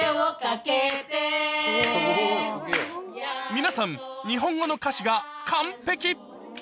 皆さん、日本語の歌詞が完璧。